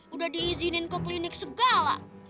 udah diizinin ke klinik segala